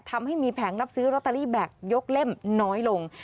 ทำให้มีแผงรับซื้อลอตเตอรี่แบบยกเล่มน้อยลง